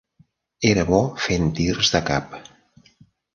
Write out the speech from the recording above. Era bo fent tirs de cap.